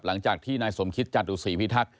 หลังจากที่นายสมคิตจตุศรีพิทักษ